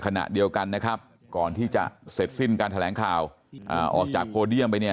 ขณะเดียวกันนะครับก่อนที่จะเสร็จสิ้นการแถลงข่าวออกจากโพเดียมไปเนี่ย